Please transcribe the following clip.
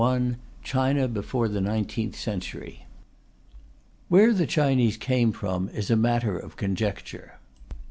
CHAPTER II CHINA BEFORE THE NINETEENTH CENTURY Where the Chinese came from is a matter of conjecture.